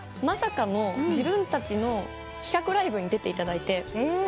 まさかの自分たちの企画ライブに出ていただいて。